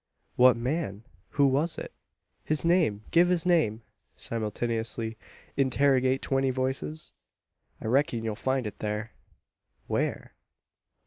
"What man? Who was it? His name! Give his name!" simultaneously interrogate twenty voices. "I reckon yu'll find it thar." "Where?"